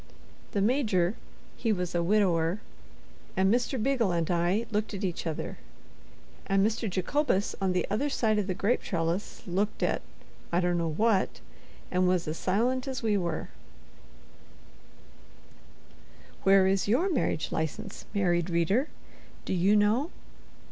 The Major (he was a widower) and Mr. Biggle and I looked at each other; and Mr. Jacobus, on the other side of the grape trellis, looked at—I don't know what—and was as silent as we were. Where is your marriage license, married reader? Do you know?